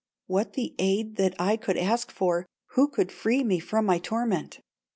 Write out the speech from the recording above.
What the aid that I could ask for, Who could free me from my torment?